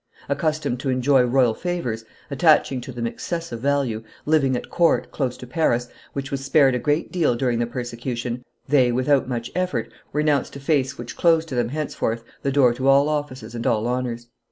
Accustomed to enjoy royal favors, attaching to them excessive value, living at court, close to Paris, which was spared a great deal during the persecution, they, without much effort, renounced a faith which closed to them henceforth the door to all offices and all honors.